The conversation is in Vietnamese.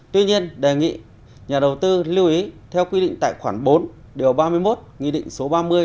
tuy nhiên đề nghị nhà đầu tư lưu ý theo quy định tại khoản bốn điều ba mươi một nghị định số ba mươi